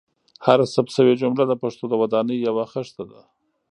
هره ثبت شوې جمله د پښتو د ودانۍ یوه خښته ده.